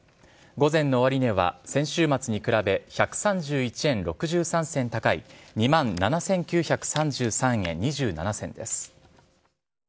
午前の終値は先週末に比べ、１３１円６３銭高い、２万７９３３円２７銭です。